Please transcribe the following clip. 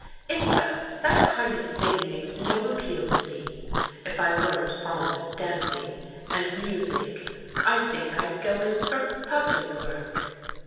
"In fact, that kind of thing makes no appeal to me. If I weren't fond of dancing, and music, I think I'd go in for public work."